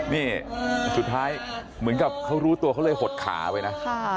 นี่สุดท้ายเหมือนกับเขารู้ตัวเขาเลยหดขาไปนะ